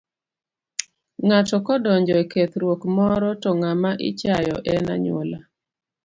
Ng'ato kodonjo e kethruok moro to ng'ama ichayo en anyuola.